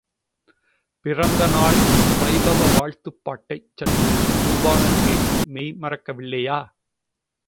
பிறந்த நாள் வைபவ வாழ்த்துப் பாட்டைச் சற்றுமுன் பூபாலன் கேட்டு மெய் மறக்கவில்லையா?